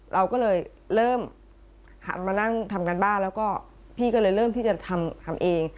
เราก็เลยเริ่มหันมานั่งทำการบ้านแล้วก็พี่ก็เลยเริ่มที่จะทำเอง